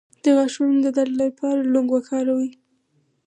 د غاښونو د درد لپاره لونګ وکاروئ